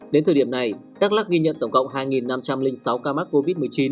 đến thời điểm này đắk lắc ghi nhận tổng cộng hai năm trăm linh sáu ca mắc covid một mươi chín